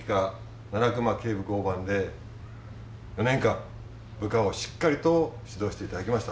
七隈警部交番で７年間部下をしっかりと指導して頂きました。